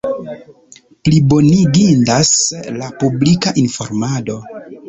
Plibonigindas la publika informado.